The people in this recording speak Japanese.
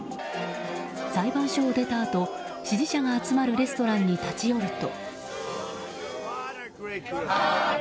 裁判所を出たあと支持者が集まるレストランに立ち寄ると。